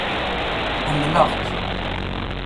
Ḥemlaɣ-k.